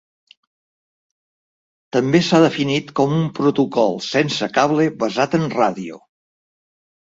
També s'ha definit com un protocol sense cable basat en ràdio.